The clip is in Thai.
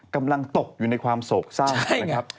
กำลังตกอยู่ในความโศกเศร้านะครับ